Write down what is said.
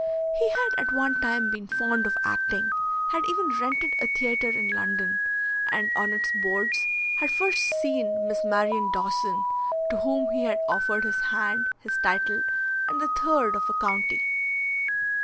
He had at one time been fond of acting, had even rented a theatre in London, and on its boards had first seen Miss Marion Dawson, to whom he had offered his hand, his title, and the third of a county.